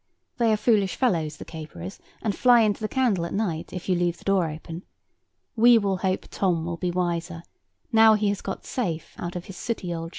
They are foolish fellows, the caperers, and fly into the candle at night, if you leave the door open. We will hope Tom will be wiser, now he has got safe out of his sooty old shell.